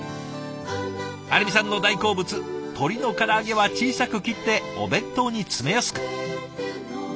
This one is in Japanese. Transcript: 有美さんの大好物鶏のから揚げは小さく切ってお弁当に詰めやすく。